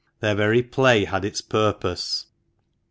Their very play had its purpose.